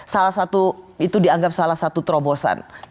salah satu itu dianggap salah satu terobosan